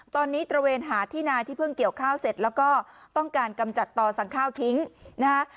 ตอนนี้ตระเวนหาที่นาที่เพิ่งเกี่ยวข้าวเสร็จแล้วก็ต้องการกำจัดต่อสั่งข้าวทิ้งนะฮะ